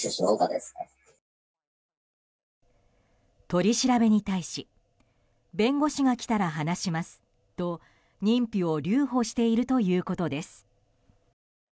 取り調べに対し弁護士が来たら話しますと認否を留保しているということです。